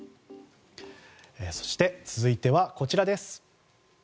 そして、続いてはこちら。